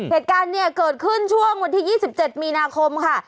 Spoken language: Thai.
เหตุการณ์เนี่ยเกิดขึ้นช่วงวันที่๒๗มีนาคมค่ะ